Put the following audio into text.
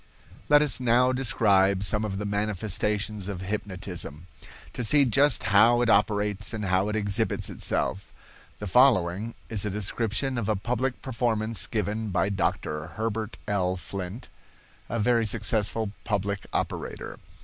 Let us now describe some of the manifestations of hypnotism, to see just how it operates and how it exhibits itself. The following is a description of a public performance given by Dr. Herbert L. Flint, a very successful public operator.